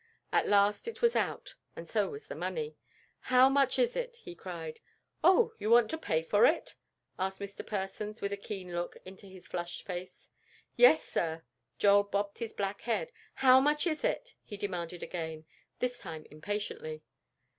At last it was out, and so was the money. "How much is it?" he cried. "Oh, you want to pay for it?" asked Mr. Persons, with a keen look into his flushed face. "Yes, sir," Joel bobbed his black head. "How much is it?" he demanded again, this time impatiently.